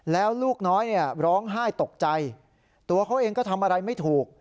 แล้วลูกน้อยเนี่ยร้องไห้ตกใจตัวเขาเองก็ทำอะไรไม่ถูก